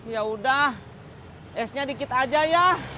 yaudah esnya dikit aja ya